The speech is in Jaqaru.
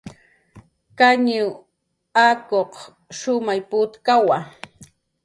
Kañiw akuq shumay putkawa